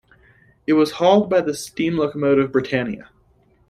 It was hauled by the steam locomotive "Britannia".